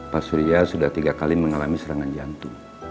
pak surya sudah tiga kali mengalami serangan jantung